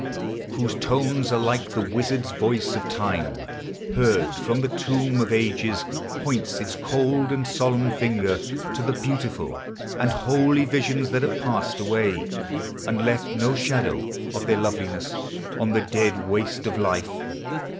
Whose tones are like the wizard's voice of Time Heard from the tomb of ages, points its cold And solemn finger to the beautiful And holy visions that have passed away, And left no shadow of their loveliness On the dead waste of life.